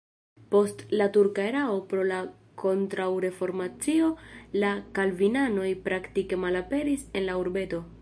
Post la turka erao pro la kontraŭreformacio la kalvinanoj praktike malaperis en la urbeto.